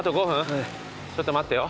ちょっと待ってよ。